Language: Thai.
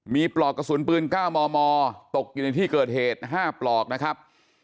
มีปลอกกระสุนปืน๙มมตกอยู่ในที่เกิดเหตุ๕ปลอกนะครับ